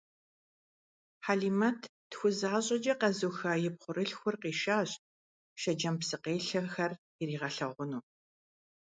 Хьэлимэт «тху» защӀэкӀэ къэзыуха и пхъурылъхур къишащ, Шэджэм псыкъелъэхэр иригъэлъагъуну.